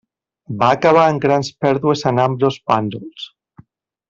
Va acabar en grans pèrdues en ambdós bàndols.